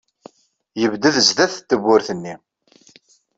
Yebded sdat tewwurt-nni.